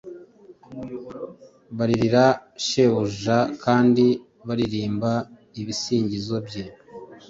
Baririra shebujakandi baririmba ibisingizo bye